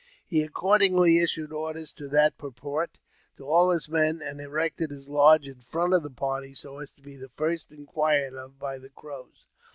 He accord ingly issued orders to that purport to all his men, and erected his lodge in front of the party, so as to be the first inquired of by the Crows.